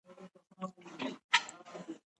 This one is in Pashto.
هغه په ساده ژبه ژور مفاهیم وړاندې کوي.